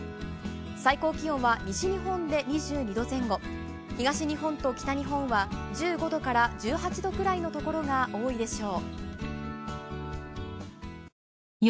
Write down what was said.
最高気温は西日本で２２度前後東日本と北日本は１５度から１８度くらいのところが多いでしょう。